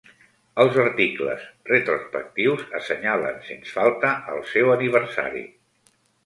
Els articles retrospectius assenyalen sens falta el seu aniversari.